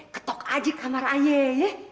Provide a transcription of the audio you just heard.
ketok aja kamar aja ya